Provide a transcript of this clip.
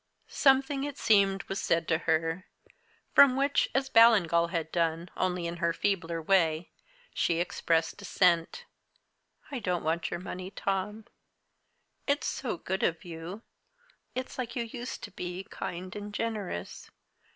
Something, it seemed, was said to her from which, as Ballingall had done, only in her feebler way, she expressed dissent. "I don't want your money, Tom. It's so good of you; it's like you used to be, kind and generous.